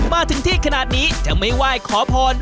มาถึงที่ขนาดนี้จะไม่ไหว้ขอพร